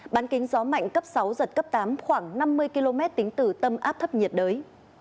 bán kính gió mạnh cấp sáu giật cấp tám khoảng năm mươi km tính từ tâm áp thấp nhiệt đới